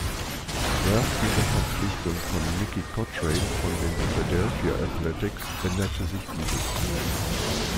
Erst mit der Verpflichtung von Mickey Cochrane von den Philadelphia Athletics änderte sich dieses.